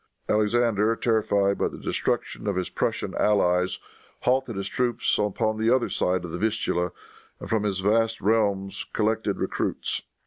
Alexander, terrified by the destruction of his Prussian allies, halted his troops upon the other side of the Vistula, and from his vast realms collected recruits.